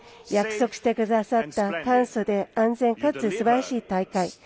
約束してくださった簡素で安全かつすばらしい大会。